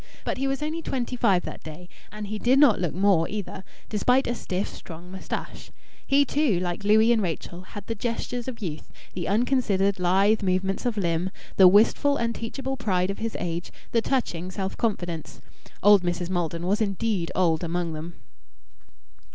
But he was only twenty five that day, and he did not look more, either, despite a stiff, strong moustache. He too, like Louis and Rachel, had the gestures of youth the unconsidered, lithe movements of limb, the wistful, unteachable pride of his age, the touching self confidence. Old Mrs. Maldon was indeed old among them.